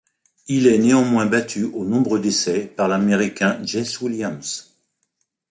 Il est néanmoins battu au nombre d'essais par l'Américain Jesse Williams.